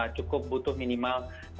cukup butuh minimal